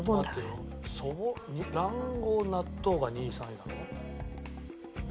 卵黄納豆が２位３位だろ。